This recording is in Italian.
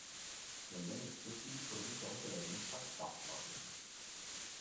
Negli anni successivi produce anche la rivista "K".